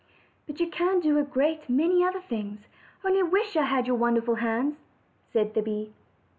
"But you can do a great many other things! I only wish I had your wonderful hands," said the bee.